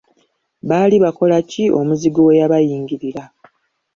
Baali bakola ki omuzigu we yabayingirira?